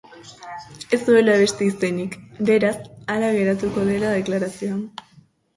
Ez duela beste izenik, beraz, hala geratuko dela deklarazioan.